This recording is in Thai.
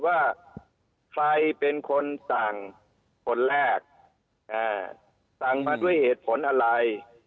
ว่าใครเป็นคนสั่งคนแรกสั่งมาด้วยเหตุผลอะไร